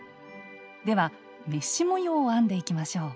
ではメッシュ模様を編んでいきましょう。